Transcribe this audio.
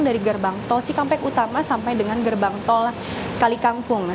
dari gerbang tol cikampek utama sampai dengan gerbang tol kalikangkung